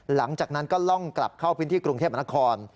หลังจากนั้นก็ล่องกลับเข้าพื้นที่กรุงเทพมนาคม